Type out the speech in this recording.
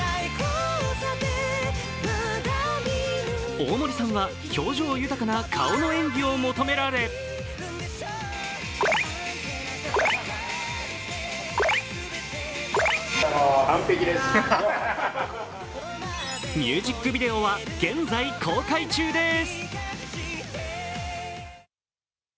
大森さんは表情豊かな顔の演技を求められミュージックビデオは現在、公開中です。